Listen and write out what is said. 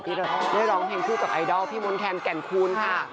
ที่เราได้ร้องเพลงผู้จับไอดอลพี่มนต์แคลนแก่นคูลค่ะ